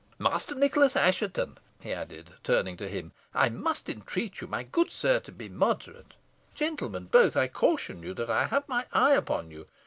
Master Nicholas Assheton," he added, turning to him, "I must entreat you, my good sir, to be moderate. Gentlemen, both, I caution you that I have my eye upon you.